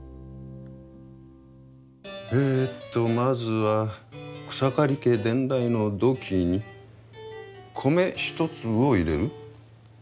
えとまずは草刈家伝来の土器に米一粒を入れる。